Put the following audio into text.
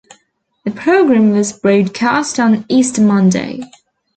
The programme was broadcast on Easter Monday.